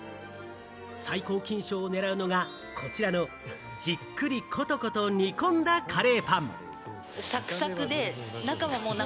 最高金賞を狙うのがこちらのじっくりコトコト煮込んだカレーパン。